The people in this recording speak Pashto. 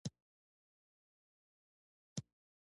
ښارونه د اشرافو او پاچاهانو له نفوذ بهر رامنځته شول